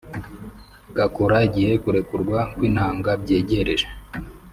gakura igihe kurekurwa kw’intanga byegereje